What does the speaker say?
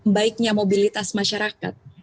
dan membaiknya mobilitas masyarakat